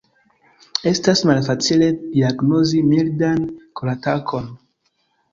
Estas malfacile diagnozi mildan koratakon.